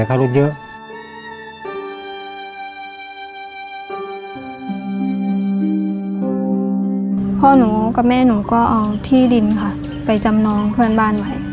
พ่อหนูกับแม่หนูก็เอาที่ดินค่ะไปจำนองเพื่อนบ้านไว้